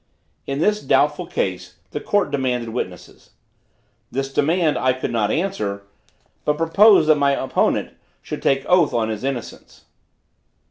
In this doubtful case, the court demanded witnesses. This demand I could not answer, but proposed that my opponent should take oath on his innocence.